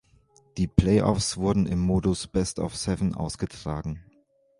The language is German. Die Play-offs wurden im Modus Best-of-Seven ausgetragen.